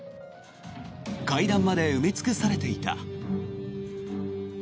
階段まで埋め尽くされていた。